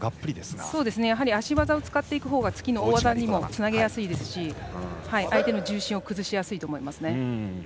やはり足技を使うほうが次の大技にもつなげやすいですし相手の重心を崩しやすいと思います。